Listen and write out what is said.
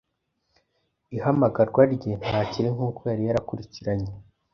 Ihamagarwa rye ntakiri nkuko yari yarakurikiranye